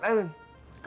bisa bantu kita